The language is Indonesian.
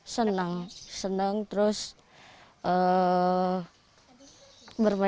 senang senang terus bermain